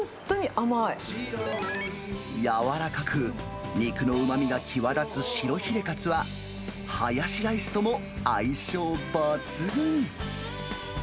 柔らかく、肉のうまみが際立つ白ヒレかつは、ハヤシライスとも相性抜群。